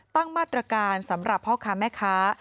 ตั้งมาตรการสำหรับพ่อค้าแม่ค้า